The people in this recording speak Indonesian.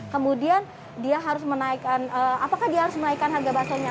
kemudian dia harus menaikkan apakah dia harus menaikkan harga basahnya